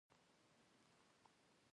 فرهنګي بنسټونه دې د ژبې پالنه وکړي.